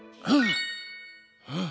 うん！